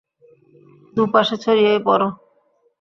দুপাশে ছড়িয়ে পড়ো!